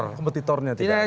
kompetitornya tidak ada